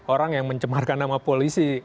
orang yang mencemarkan nama polisi